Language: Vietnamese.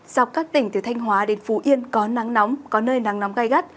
dọc các tỉnh từ thanh hóa đến phú yên có nắng nóng có nơi nắng nóng gai gắt